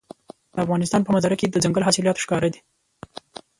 د افغانستان په منظره کې دځنګل حاصلات ښکاره دي.